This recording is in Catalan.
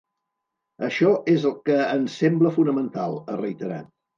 “Això és el que ens sembla fonamental”, ha reiterat.